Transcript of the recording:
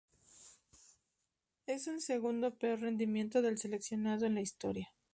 Es el segundo peor rendimiento del seleccionado en la historia.